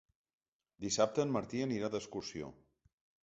Dissabte en Martí anirà d'excursió.